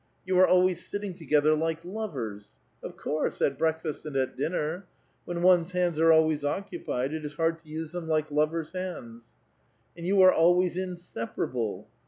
*' You are always sitting together like lovers ! "Of course. At breakfast and at dinner. When one's bands are always occupied, it is hard to use them like lovers' bands." *' And you are always inseparable